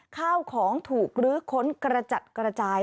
ข้าวของถูกลื้อค้นกระจัดกระจาย